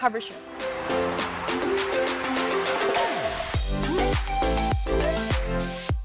hover shoes adalah papan luncur